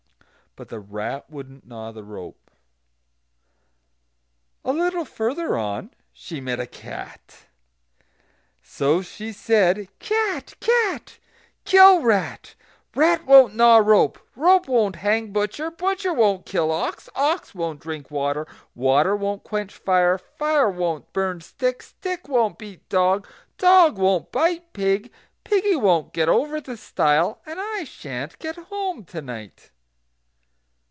But the rat wouldn't gnaw the rope. A little further on she met a cat. So she said: "Cat! cat! kill rat; rat won't gnaw rope; rope won't hang butcher; butcher won't kill ox; ox won't drink water; water won't quench fire; fire won't burn stick; stick won't beat dog; dog won't bite pig; piggy won't get over the stile; and I sha'n't get home to night."